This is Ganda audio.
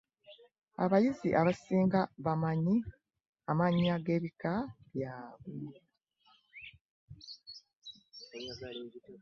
Abayizi abasinga bamanyi amannya g'ebika byabwe.